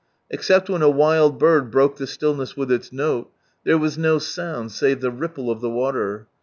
Except when a wild bird broke the stillness with its note, there was no sound save the ripple of the water.